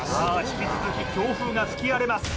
引き続き強風が吹き荒れます